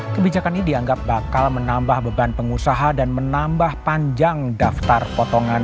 kebijakan ini dianggap bakal menambah beban pengusaha dan menambah panjang daftar potongan